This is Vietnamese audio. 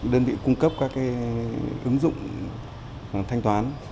đơn vị cung cấp các ứng dụng thanh toán